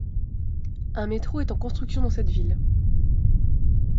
Un métro est en construction dans cette ville.